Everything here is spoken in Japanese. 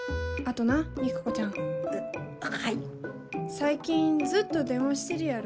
最近ずっと電話してるやろ。